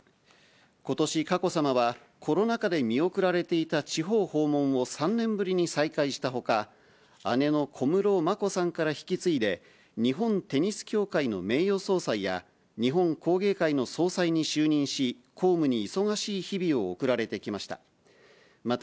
ことし、佳子さまはコロナ禍で見送られていた地方訪問を３年ぶりに再開したほか、姉の小室眞子さんから引き継いで、日本テニス協会の名誉総裁や、日本工芸会の総裁に就任し、公務に忙しい日々を送られてきました。